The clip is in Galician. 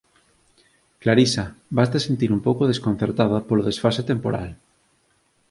Clarisa, vaste sentir un pouco desconcertada polo desfase temporal.